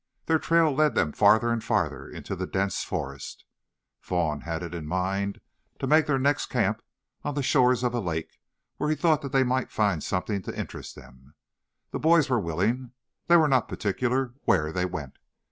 Their trail led them farther and farther into the dense forests. Vaughn had it in mind to make their next camp on the shores of a lake, where he thought that they might find something to interest them. The boys were willing. They were not particular where they went.